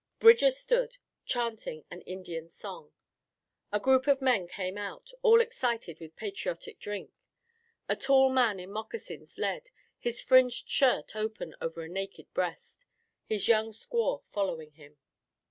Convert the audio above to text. Bridger stood, chanting an Indian song. A group of men came out, all excited with patriotic drink. A tall man in moccasins led, his fringed shirt open over a naked breast, his young squaw following him.